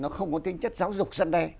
nó không có tính chất giáo dục dân đe